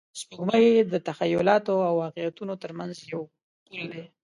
سپوږمۍ د تخیلاتو او واقعیتونو تر منځ یو پل دی